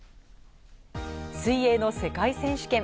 水泳の世界選手権。